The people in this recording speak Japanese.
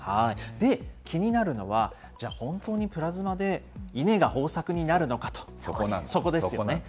気になるのは、じゃあ、本当にプラズマで稲が豊作になるのかと、そこですよね。